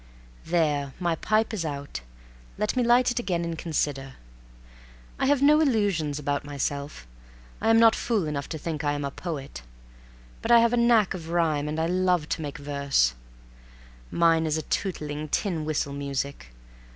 There! my pipe is out. Let me light it again and consider. I have no illusions about myself. I am not fool enough to think I am a poet, but I have a knack of rhyme and I love to make verses. Mine is a tootling, tin whistle music.